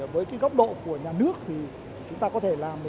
với cái góc độ của nhà nước thì chúng ta có thể làm